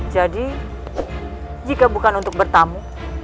jadi jika bukan untuk bertamu